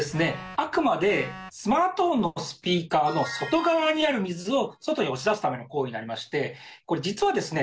あくまでスマートフォンのスピーカーの外側にある水を外に押し出すための行為になりましてこれ実はですね